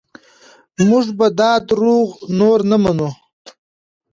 موږ به دا دروغ نور نه منو.